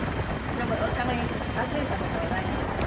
でもお互いに訪ねた事がないんですって？